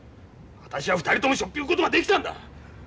私は２人ともしょっぴく事ができたんだ！